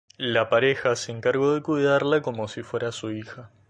La pareja se encargó de cuidarla como si fuera su hija.